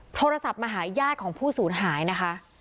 โทรศัพท์มาหาญาติของผู้สูญหายนะคะ